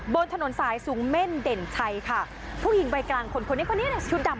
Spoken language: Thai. บนถนนสายสูงเม่นเด่นชัยค่ะผู้หญิงวัยกลางคนคนนี้คนนี้ชุดดำ